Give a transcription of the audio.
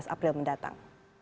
tujuh belas april mendatang